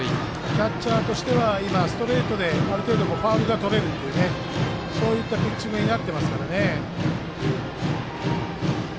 キャッチャーとしては今ストレートである程度ファウルがとれるというそういったピッチングになってますからね。